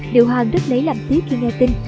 liệu hàng rất lấy lạnh tiếc khi nghe tin